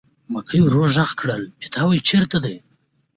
مکۍ ور غږ کړل: پیتاوی چېرته دی.